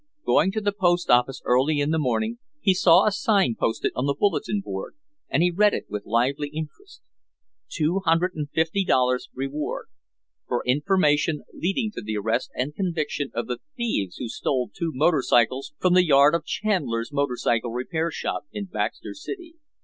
Going to the post office early in the morning, he saw a sign posted on the bulletin board and he read it with lively interest. $250.00 REWARD for information leading to the arrest and conviction of the thieves who stole two motorcycles from the yard of Chandlers Motorcycle Repair Shop in Baxter City.